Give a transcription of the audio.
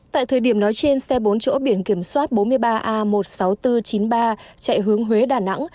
tại thời điểm nói trên xe bốn chỗ biển kiểm soát bốn mươi ba a một mươi sáu nghìn bốn trăm chín mươi ba chạy hướng huế đà nẵng